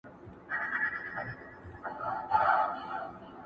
اردلیانو خبراوه له هر آفته،